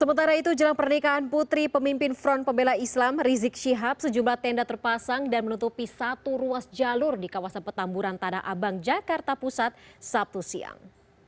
sementara itu jelang pernikahan putri pemimpin front pembela islam rizik syihab sejumlah tenda terpasang dan menutupi satu ruas jalur di kawasan petamburan tanah abang jakarta pusat sabtu siang